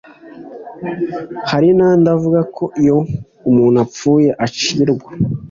hari n andi avuga ko iyo umuntu apfuye acirwa